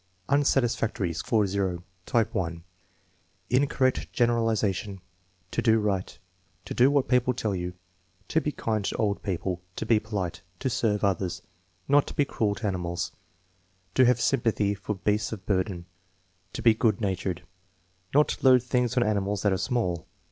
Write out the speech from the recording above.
Unsatisfactory; score 0. Type (1), incorrect generalization: "To do right." "To do what people tell you." "To be kind to old people." "To be polite." "To serve others." "Not to be cruelto animals." "To have sympathy for beasts of burden." "To be good natured." "Not to load things on animals that are small."